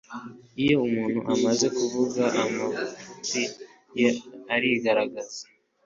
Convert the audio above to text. iyo umuntu amaze kuvuga, amafuti ye arigaragaza